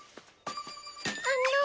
あの。